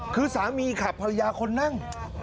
คือสามีขับภรรยาคนนั่ง